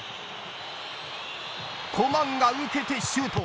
コマンが受けてシュート。